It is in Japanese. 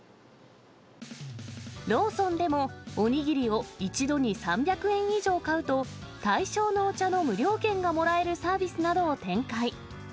ローソンでもお握りを一度に３００円以上買うと、対象のお茶の無料券がもらえるサービスなどを展開。